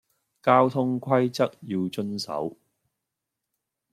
交通規則要遵守